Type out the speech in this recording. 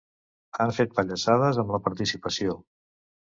Han fet pallassades amb la participació.